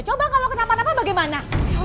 coba kalau kenapa napa bagaimana